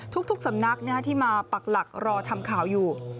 ทุกสำนักที่มาปักหลักรอทำข่าวอยู่